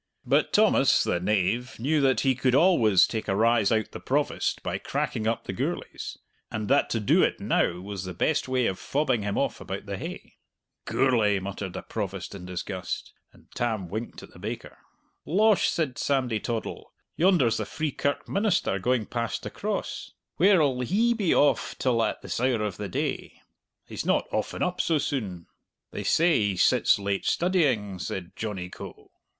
But Thomas, the knave, knew that he could always take a rise out the Provost by cracking up the Gourlays, and that to do it now was the best way of fobbing him off about the hay. "Gourlay!" muttered the Provost, in disgust. And Tam winked at the baker. "Losh," said Sandy Toddle, "yonder's the Free Kirk minister going past the Cross! Where'll he be off till at this hour of the day? He's not often up so soon." "They say he sits late studying," said Johnny Coe.